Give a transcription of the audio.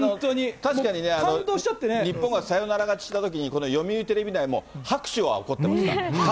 確かにね、日本がサヨナラ勝ちしたときに、読売テレビ内も拍手は起こってました。